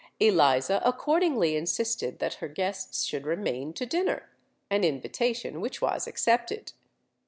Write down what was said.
Eliza accordingly insisted that her guests should remain to dinner—an invitation which was accepted.